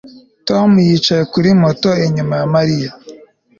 Tom yicaye kuri moto inyuma ya Mariya